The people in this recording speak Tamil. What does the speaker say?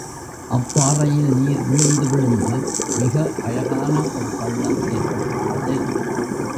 அப்பாறையில் நீர் விழுந்து விழுந்து மிக அழகான ஒரு பள்ளம் ஏற்பட்டுள்ளது.